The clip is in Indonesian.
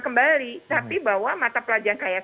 kembali tapi bahwa mata pelajaran kayak